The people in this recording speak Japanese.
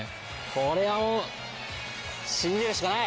これを信じるしかない。